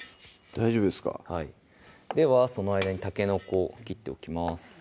大丈夫ですかではその間にたけのこを切っておきます